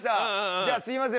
じゃあすみません。